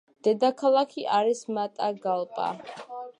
დედაქალაქი არის მატაგალპა.